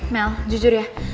mel jujur ya